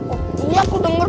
oh iya aku denger